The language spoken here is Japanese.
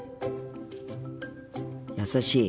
優しい。